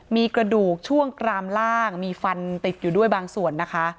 มีกระดูกช่วงกรามล่างมีฟันติดอยู่ด้วยบางส่วนนะคะ